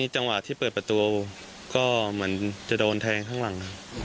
จังหวะที่เปิดประตูก็เหมือนจะโดนแทงข้างหลัง